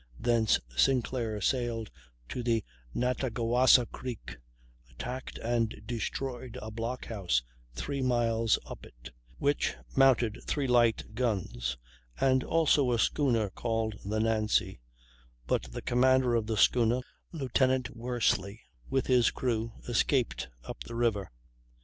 Thence Sinclair sailed to the Nattagawassa Creek, attacked and destroyed a block house three miles up it, which mounted three light guns, and also a schooner called the Nancy; but the commander of the schooner, Lieutenant Worsely, with his crew, escaped up the river.